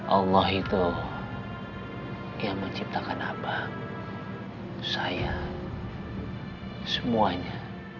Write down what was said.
allah itu yang menciptakan abang saya semuanya